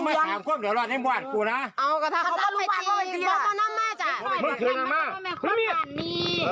ตีคนคนเดียวพี่อยากรู้ว่าทำไม